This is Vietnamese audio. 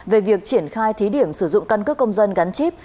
về việc triển khai thí điểm sử dụng căn cước công dân gắn chip